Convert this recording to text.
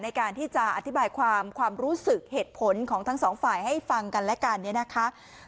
ในการที่จะอธิบายความความรู้สึกเหตุผลของทั้งสองฝ่ายให้ฟังกันและกันเนี่ยนะคะ